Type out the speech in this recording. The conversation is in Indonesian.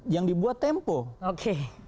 yang dibuat tempo oke